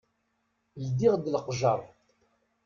Ldiɣ-d leqjer.